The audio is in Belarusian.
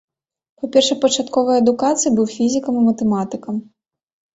Па першапачатковай адукацыі быў фізікам і матэматыкам.